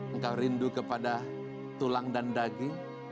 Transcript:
engkau rindu kepada tulang dan daging